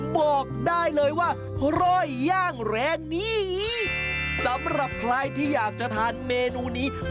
บอกได้เลยว่าร้อยย่างแรงนี้สำหรับใครที่อยากจะทานเมนูนี้